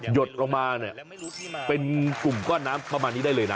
ดลงมาเนี่ยเป็นกลุ่มก้อนน้ำประมาณนี้ได้เลยนะ